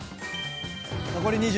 残り２０。